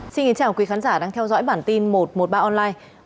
xin kính chào quý khán giả đang theo dõi bản tin một trăm một mươi ba online